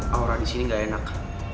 aura di sini gak enak